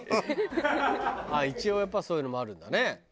一応やっぱそういうのもあるんだね。